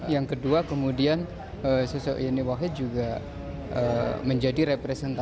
yang kedua kemudian sosok yeni wahid juga menjadi representasi